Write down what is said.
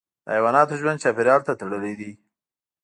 د حیواناتو ژوند چاپیریال ته تړلی دی.